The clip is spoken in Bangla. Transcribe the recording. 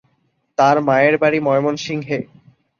তার মায়ের বাড়ি ময়মনসিংহে।